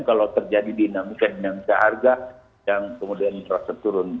kalau terjadi dinamika dinamika harga yang kemudian terasa turun